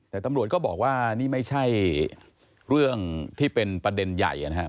แต่ตำรวจก็บอกว่านี่ไม่ใช่เรื่องที่เป็นประเด็นใหญ่นะครับ